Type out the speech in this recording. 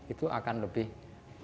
itu akan lebih menyenangkan